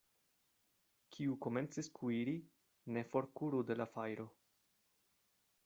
Kiu komencis kuiri, ne forkuru de la fajro.